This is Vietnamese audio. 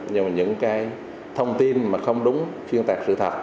nhưng mà những cái thông tin mà không đúng xuyên tạc sự thật